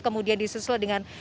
kemudian disusul dengan